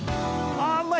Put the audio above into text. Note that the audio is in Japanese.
あうまい！